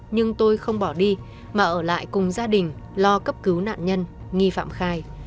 nhưng tôi không bỏ đi mà ở lại cùng gia đình lo cấp cứu nạn nhân nghi phạm khai